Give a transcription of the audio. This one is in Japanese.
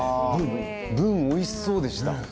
ブンおいしそうでした。